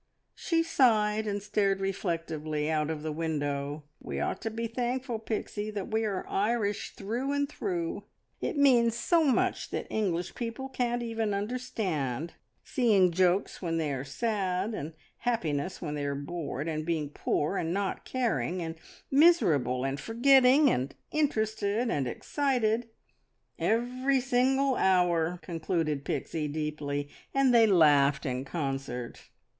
She sighed, and stared reflectively out of the window. "We ought to be thankful, Pixie, that we are Irish through and through. It means so much that English people can't even understand seeing jokes when they are sad, and happiness when they are bored and being poor and not caring, and miserable and forgetting, and interested, and excited " "Every single hour!" concluded Pixie deeply, and they laughed in concert.